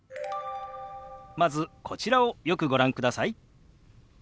まずこちらをよくご覧ください。